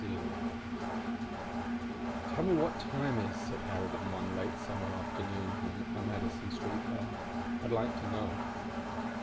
] "Tell me what time is," said Harrigan one late summer afternoon in a Madison Street bar. "I'd like to know."